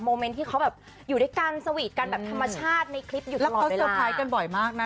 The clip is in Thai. โมเมนที่เขาแบบอยู่ด้วยกันสวีทกันแบบธรรมชาติในคลิปอยู่ตลอดเวลากันบ่อยมากนะ